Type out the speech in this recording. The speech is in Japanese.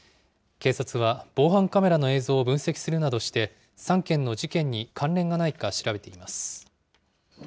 警察は防犯カメラの映像を分析するなどして、３件の事件に関連がないか調べています。